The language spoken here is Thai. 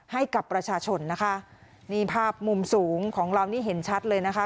ให้กับประชาชนนะคะนี่ภาพมุมสูงของเรานี่เห็นชัดเลยนะคะ